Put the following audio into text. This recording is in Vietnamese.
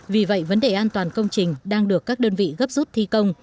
vì vậy vấn đề an toàn công trình đang được các đơn vị gấp rút thi công